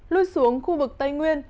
lui xuống khu vực tây nguyên